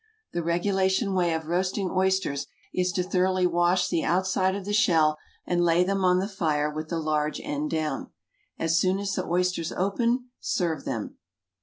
The regulation way of roasting oysters is to thoroughly wash the outside of the shell and lay them on the fire with the large end down. As soon as the oysters open serve them.